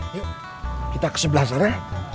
yuk kita ke sebelah sana